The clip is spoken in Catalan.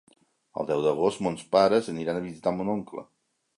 El deu d'agost mons pares aniran a visitar mon oncle.